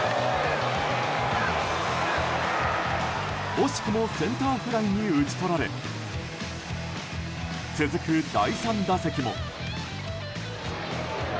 惜しくもセンターフライに打ち取られ続く第３打席も。